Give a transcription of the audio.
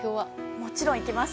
もちろん行きます。